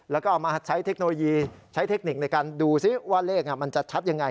แล้วก็เอามาใช้เทคโนโลยีใช้เทคนิคในการดูซิว่าเลขมันจะชัดยังไง